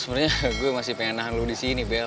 sebenernya gue masih pengen nahan lo disini bel